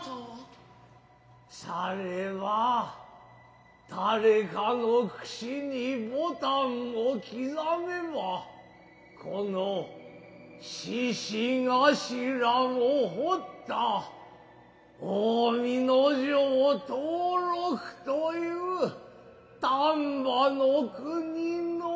されば誰かの櫛に牡丹も刻めばこの獅子頭も彫った近江之丞桃六という丹波の国の楊枝削りよ。